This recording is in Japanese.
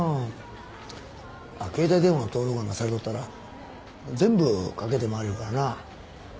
携帯電話に登録なんかされとったら全部かけて回りよるからな。